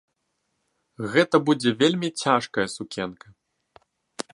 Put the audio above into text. Гэта будзе вельмі цяжкая сукенка.